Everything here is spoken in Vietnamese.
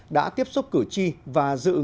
đã tiếp xúc cử tri và dự ngành